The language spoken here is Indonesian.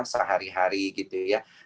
sehari hari gitu ya